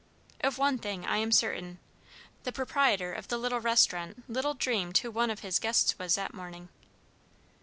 Of one thing I am certain the proprietor of the restaurant little dreamed who one of his guests was that morning.